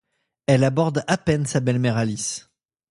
Elle aborde à peine sa belle-mère Alice.